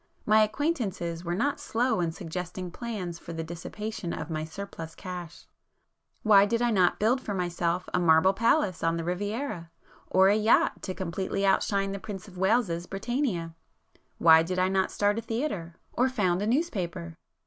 My acquaintances were not slow in suggesting plans for the dissipation of my surplus cash,—why did I not build for myself a marble palace on the Riviera?—or a yacht to completely outshine the Prince of Wales's 'Britannia'? Why did I not start a theatre? Or found a newspaper?